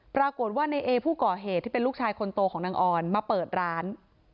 ปรากฏว่าในเอผู้ก่อเหตุที่เป็นลูกชายคนโตของนางออนมาเปิดร้าน